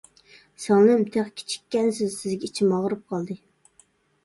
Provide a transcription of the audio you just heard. — سىڭلىم، تېخى كىچىككەنسىز، سىزگە ئىچىم ئاغرىپ قالدى.